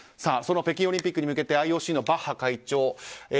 その北京オリンピックに向けてＩＯＣのバッハ会長